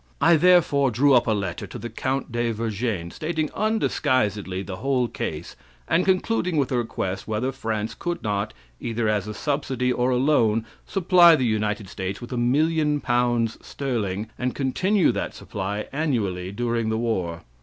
I therefore drew up a letter to the Count De Vergennes, stating undisguisedly the whole case, and concluding with a request whether France could not, either as a subsidy of a loan, supply the United States with a million pounds sterling, and continue that supply, annually, during the war.